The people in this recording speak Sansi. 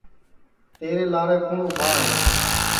تیرے لارے کُوٹؔ اُبھا ہے